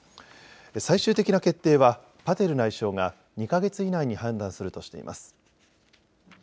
最終的な決定はパテル内相が２か月以内に判断するとしています。